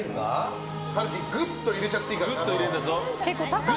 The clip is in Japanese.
晴紀ぐっと入れちゃっていいからな。